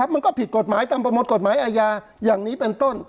มันก็ผิดกฎหมายตามประมวลกฎหมายอาญาอย่างนี้เป็นต้น